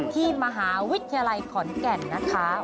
ที่มหาวิทยาลัยขอนแก่นนะคะ